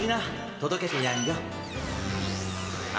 届けてやるよ。